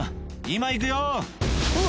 今行くよ！」